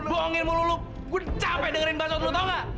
bohongin mulu lo gue capek dengerin bahasa lo tau nggak